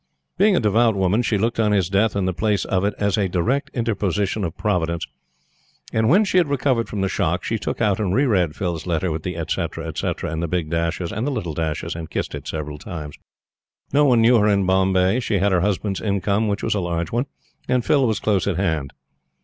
Being a devout woman, she looked on his death and the place of it, as a direct interposition of Providence, and when she had recovered from the shock, she took out and reread Phil's letter with the "etc., etc.," and the big dashes, and the little dashes, and kissed it several times. No one knew her in Bombay; she had her husband's income, which was a large one, and Phil was close at hand.